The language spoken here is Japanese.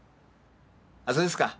あそうですか。